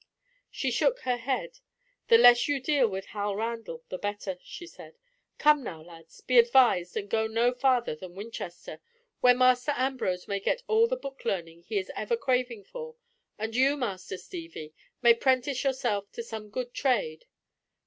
She shook her head. "The less you deal with Hal Randall the better," she said. "Come now, lads, be advised and go no farther than Winchester, where Master Ambrose may get all the book learning he is ever craving for, and you, Master Steevie, may prentice yourself to some good trade."